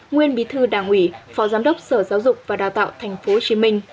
nguyên bí thư đảng ủy phó giám đốc sở giáo dục và đào tạo tp hcm